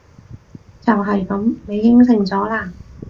就係噉！你應承咗喇！